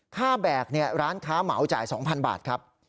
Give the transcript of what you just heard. ค่าแบกเนี่ยร้านค้าเหมาจ่าย๒๐๐๐บาทครับ